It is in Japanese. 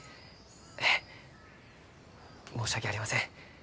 ええ申し訳ありません。